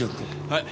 はい。